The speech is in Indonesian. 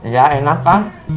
ya enak kang